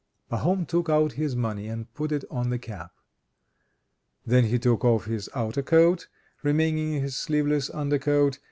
Pahom took out his money and put it on the cap. Then he took off his outer coat, remaining in his sleeveless under coat.